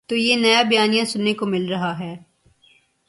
تو یہ نیا بیانیہ سننے کو مل رہا ہے۔